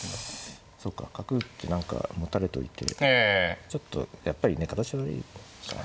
そうか角打って何かもたれといてちょっとやっぱりね形悪いかね。